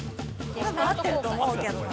多分合ってると思うけどな。